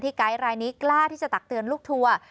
ไกด์รายนี้กล้าที่จะตักเตือนลูกทัวร์